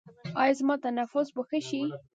ایا زما تنفس به ښه شي؟